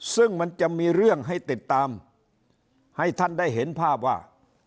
ซึ่งมันจะมีเรื่องให้ติดตามให้ท่านได้เห็นภาพว่า